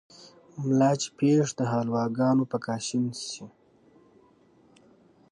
ملا چې پېښ دحلواګانو په کاشين شي